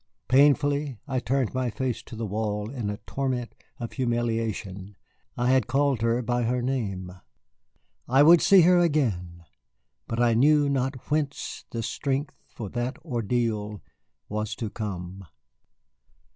Painfully I turned my face to the wall in a torment of humiliation I had called her by her name. I would see her again, but I knew not whence the strength for that ordeal was to come.